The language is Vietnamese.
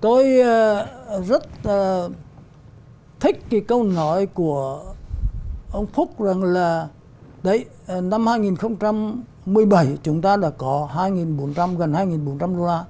tôi rất thích cái câu nói của ông phúc rằng là năm hai nghìn một mươi bảy chúng ta đã có hai bốn trăm linh gần hai bốn trăm linh đô la